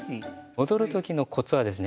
戻る時のコツはですね